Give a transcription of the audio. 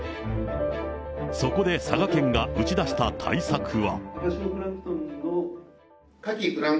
そこで佐賀県が打ち出した対策は。